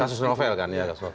kasus novel kan ya